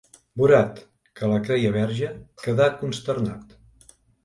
Borat, que la creia verge, queda consternat.